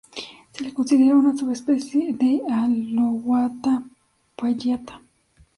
Se le considera una subespecie de "Alouatta palliata".